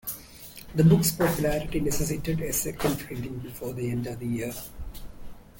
The book's popularity necessitated a second printing before the end of the year.